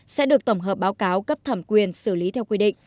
sẽ được tổng hợp báo cáo cấp thẩm quyền xử lý theo quy định